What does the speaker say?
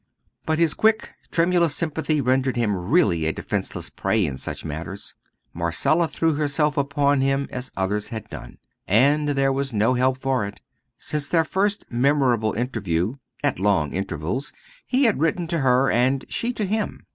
But his quick tremulous sympathy rendered him really a defenceless prey in such matters. Marcella threw herself upon him as others had done; and there was no help for it. Since their first memorable interview, at long intervals, he had written to her and she to him.